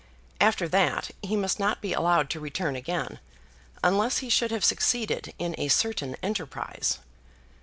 After that he must not be allowed to return again, unless he should have succeeded in a certain enterprise.